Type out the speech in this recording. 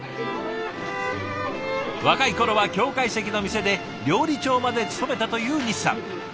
若い頃は京懐石の店で料理長まで務めたという西さん。